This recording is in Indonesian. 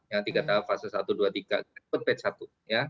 yang tiga tahap fase satu dua tiga kita ikut batch satu